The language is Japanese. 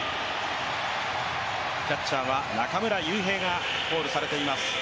キャッチャーは中村悠平がコールされています。